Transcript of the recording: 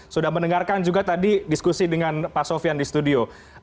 sudah mendengarkan juga tadi diskusi dengan pak sofian di studio